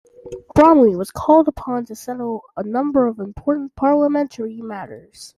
Bromley was called upon to settle a number of important parliamentary matters.